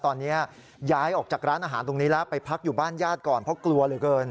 ตอนนี้ย้ายออกจากร้านอาหารตรงนี้แล้วไปพักอยู่บ้านญาติก่อนเพราะกลัวเหลือเกิน